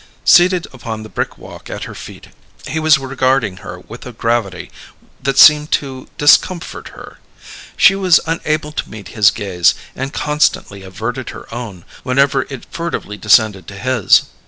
Seated upon the brick walk at her feet, he was regarding her with a gravity that seemed to discomfort her. She was unable to meet his gaze, and constantly averted her own whenever it furtively descended to his.